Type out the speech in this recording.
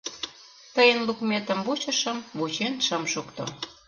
— Тыйын лукметым вучышым — вучен шым шукто.